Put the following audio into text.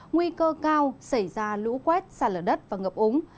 nguy cơ cao xảy ra lũ quét sạt lở đất và ngập úng